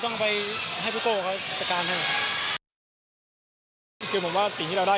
ต้องไปให้พี่โก้เขาจัดการให้ครับคือผมว่าสิ่งที่เราได้